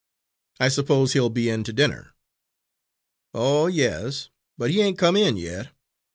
I suppose he'll be in to dinner." "Oh, yes, but he ain't come in yet.